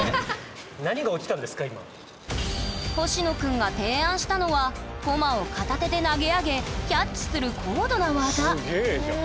ほしのくんが提案したのはコマを片手で投げ上げキャッチする高度な技すげえじゃん。